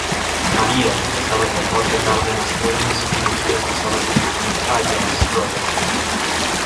María, casada con Jorge Cárdenas Núñez, y Lucía, casada con Manuel Aya Schroeder.